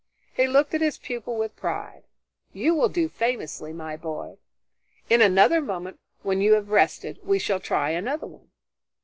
He looked at his pupil with pride. "You will do famously, my boy. In another moment, when you have rested, we shall try another one."